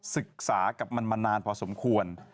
ศึกษากับมันมานานพอสมควร